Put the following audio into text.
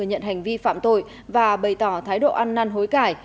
nhận hành vi phạm tội và bày tỏ thái độ ăn năn hối cải